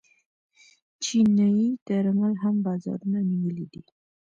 چیني درمل هم بازارونه نیولي دي.